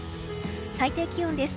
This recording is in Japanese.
最低気温です。